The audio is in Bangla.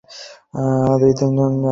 দুই-তিন জন জানায়, তারা তাদের চেনে।